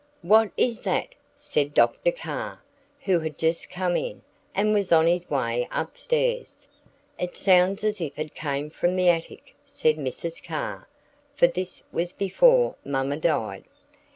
"What is that?" said Dr. Carr, who had just come in, and was on his way up stairs. "It sounds as if it came from the attic," said Mrs. Carr (for this was before Mamma died).